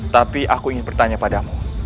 tapi aku ingin bertanya padamu